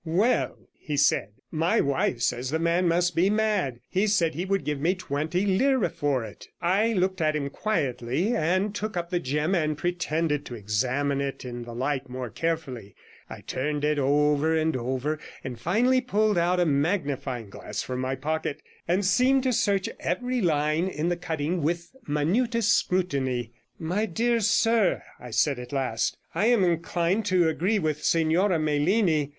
"Well," he said, "my wife says the man must be mad; he said he would give me twenty lire for it." 'I looked at him quietly, and took up the gem and pretended to examine it in the light more carefully; I turned it over and over, and finally pulled out a magnifying glass from my pocket, and seemed to search every line in the cutting with minutest scrutiny. "My dear sir," I said at last, "I am inclined to agree with Signora Melini.